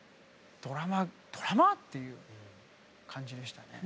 「ドラマドラマ？」っていう感じでしたね。